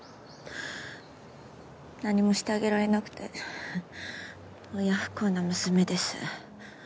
何もしてあげられなくて親不孝な娘です。